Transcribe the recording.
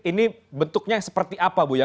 ini bentuknya seperti apa buya